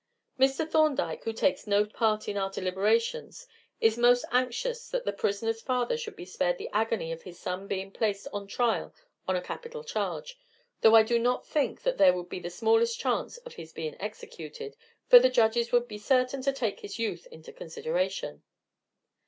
"Mr. Thorndyke, who takes no part in our deliberations, is most anxious that the prisoner's father should be spared the agony of his son being placed on trial on a capital charge, though I do not think that there would be the smallest chance of his being executed, for the judges would be certain to take his youth into consideration.